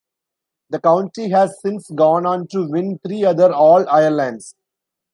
The county has since gone on to win three other All-Irelands.